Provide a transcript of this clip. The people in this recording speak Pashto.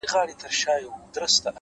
o ما ويل څه به ورته گران يمه زه ـ